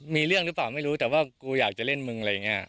มีเรื่องหรือเปล่าไม่รู้แต่ว่ากูอยากจะเล่นมึงอะไรอย่างนี้